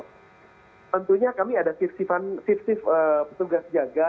tentunya kami ada sif sif petugas jaga